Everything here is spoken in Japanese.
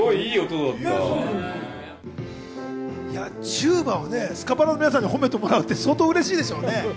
チューバをスカパラの皆さんに褒めてもらうって相当嬉しいでしょうね。